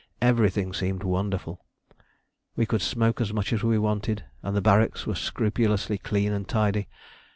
Everything seemed wonderful. We could smoke as much as we wanted, and the barracks were scrupulously clean and tidy.